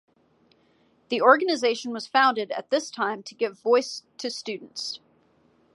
The organisation was founded at this time to give voice to students.